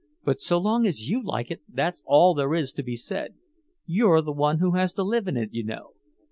"But so long as you like it, that's all there is to be said. You're the one who has to live in it, you know.